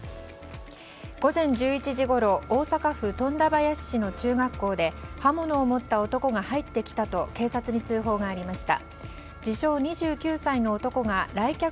午前１１時ごろ大阪府富田林市の中学校で刃物を持った男が入ってきたと警察に通報がありました。